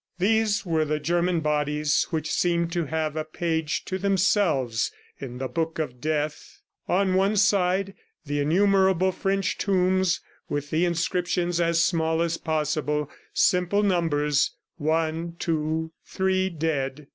These were the German bodies which seemed to have a page to themselves in the Book of Death. On one side, the innumerable French tombs with inscriptions as small as possible, simple numbers one, two, three dead.